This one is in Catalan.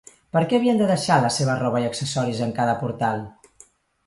Per què havien de deixar la seva roba i accessoris en cada portal?